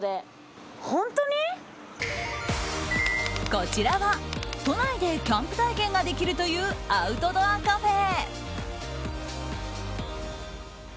こちらは都内でキャンプ体験ができるというアウトドアカフェ。